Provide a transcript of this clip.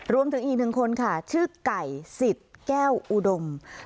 รวมถึงอีกหนึ่งคนค่ะชื่อไก่สิทธิ์แก้วอุดม